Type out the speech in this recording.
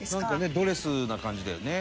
ドレスな感じだよね」